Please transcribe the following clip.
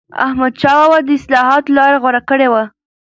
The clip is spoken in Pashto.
احمدشاه بابا د اصلاحاتو لاره غوره کړې وه.